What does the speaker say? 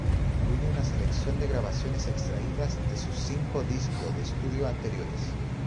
Incluye una selección de grabaciones extraídas de sus cinco disco de estudio anteriores.